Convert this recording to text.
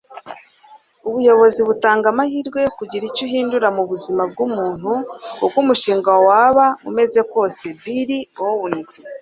ubuyobozi butanga amahirwe yo kugira icyo uhindura mubuzima bwumuntu, uko umushinga waba umeze kose. - bill owens